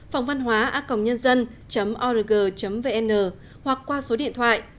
phongvănhoaacomnn org vn hoặc qua số điện thoại hai mươi bốn ba mươi hai sáu trăm sáu mươi chín năm trăm linh tám